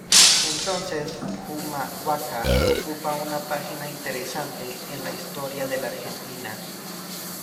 Entonces Humahuaca ocupa una página interesante en la Historia de la Argentina.